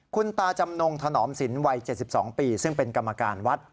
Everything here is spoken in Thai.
คุณตาจำนงถนอมสินวัย๗๒ปีซึ่งเป็นกรรมการวัด